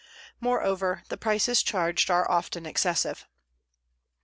Moreover, the prices charged are often excessive.